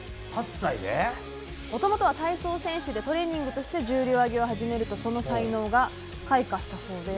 もともとは体操選手でトレーニングとして重量挙げを始めるとその才能が開花したそうです。